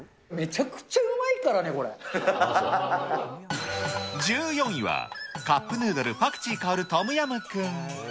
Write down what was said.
めちゃくちゃうまいからね、１４位は、カップヌードルパクチー香るトムヤムクン。